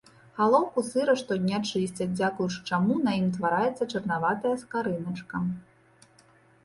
Галоўку сыру штодня чысцяць, дзякуючы чаму на ім утвараецца чырванаватая скарыначка.